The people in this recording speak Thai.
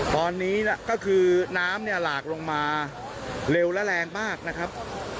ตอนนี้ก็คือน้ำเนี่ยหลากลงมาเร็วและแรงมากนะครับ